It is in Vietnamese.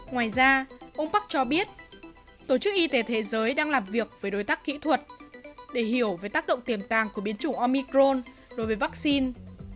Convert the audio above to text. ngoài ra ông park cho biết tổ chức y tế thế giới đang làm việc với đối tác kỹ thuật để hiểu về tác động tiềm tàng của biến chủng omicron đối với vaccine